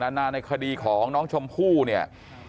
นานาในคดีของน้องชมพู่เนี่ย